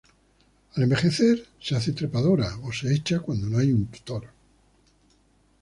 Al envejecer se hace trepadora, o se echa cuando no hay un tutor.